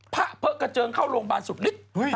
พะเพิ่งกระเจิงเข้าโรงบาลสุดลิด